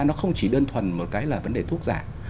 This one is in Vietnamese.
nó không chỉ đơn thuần một cái là vấn đề thuốc giả